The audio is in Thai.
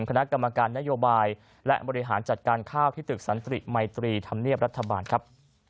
คณะกรรมการนโยบายและบริหารจัดการข้าวที่ตึกสันติมัยตรีธรรมเนียบรัฐบาลครับ